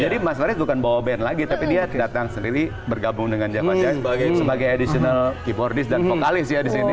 jadi mas faris bukan bawa band lagi tapi dia datang sendiri bergabung dengan java jive sebagai additional keyboardist dan vokalis ya di sini